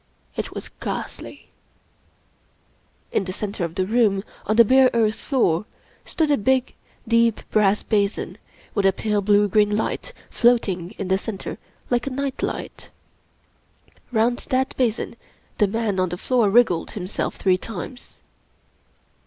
It was ghastly. In the center of the room, on the bare earth floor, stood a big, deep> brass basin, with a pale blue green light floating in the center like a night light. Round that basin the man on the floor wriggled himself three times.